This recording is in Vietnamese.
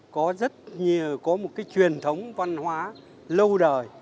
có rất nhiều có một cái truyền thống văn hóa lâu đời